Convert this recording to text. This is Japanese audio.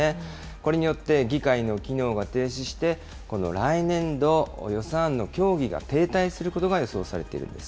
これによって、議会の機能が停止して、この来年度予算案の協議が停滞することが予想されているんです。